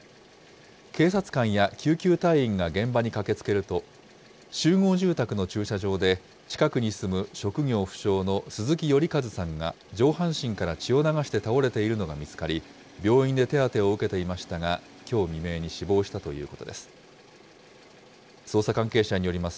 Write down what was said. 警察官や救急隊員が現場に駆けつけると、集合住宅の駐車場で、近くに住む職業不詳の鈴木頼一さんが上半身から血を流して倒れているのが見つかり、病院で手当てを受けていましたが、きょう未明に死亡したということです。